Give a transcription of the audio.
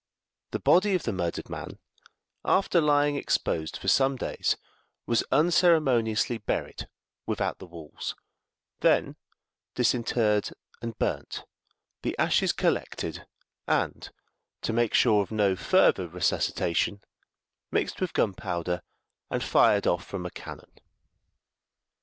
The body of the murdered man, after lying exposed for some days, was unceremoniously buried without the walls, then disinterred and burnt, the ashes collected, and, to make sure of no further resuscitation, mixed with gunpowder and fired off from a cannon.